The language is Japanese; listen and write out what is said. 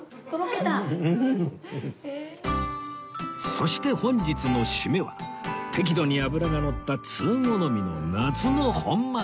そして本日の締めは適度に脂がのった通好みの夏の本マグロ